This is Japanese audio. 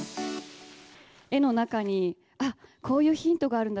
絵の中に、あっ、こういうヒントがあるんだ。